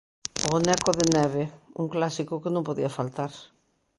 O boneco de neve, un clásico que non podía faltar.